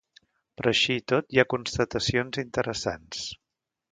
Però, així i tot, hi ha constatacions interessants.